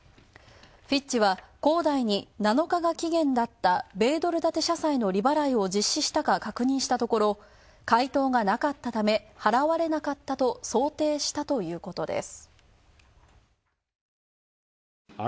フィッチは恒大に７日が期限だった米ドル建て社債の利払いを実施したか、確認したところ、回答がなかったため払われなかったと想定したということです。